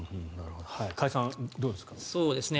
加谷さん、どうですか？